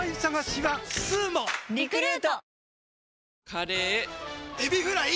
カレーエビフライ！